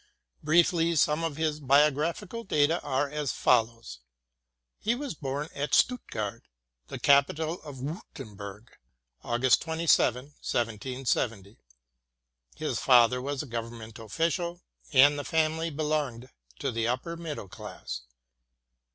Briefly, some of his biographical data are as follows : He was born at Stuttgart, the capital of Wiirtemberg, August 27, 1770. His father was a government official, and the family be longed to the upper middle class.